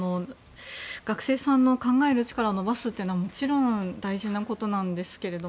学生さんの考える力を伸ばすというのはもちろん大事なことなんですけど